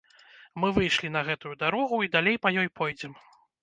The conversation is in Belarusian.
Мы выйшлі на гэтую дарогу і далей па ёй пойдзем.